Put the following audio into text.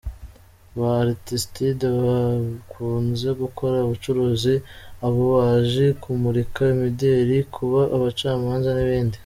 Ba Aristide bakunze gukora ubucuruzi, ububaji, kumurika imideli, kuba abacamanza n’ibindi.